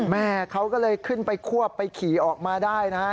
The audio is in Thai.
แม่เขาก็เลยขึ้นไปควบไปขี่ออกมาได้นะฮะ